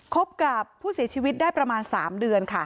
คบกับผู้เสียชีวิตได้ประมาณ๓เดือนค่ะ